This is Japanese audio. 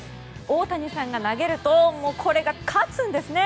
大谷さんが投げるとこれが勝つんですね。